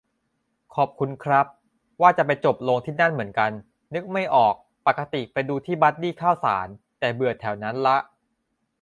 ขอบคุณครับ ว่าจะไปจบลงที่นั่นเหมือนกัน นึกไม่ออก ปกติไปดูที่บัดดี้ข้าวสาร แต่เบื่อแถวนั้นละ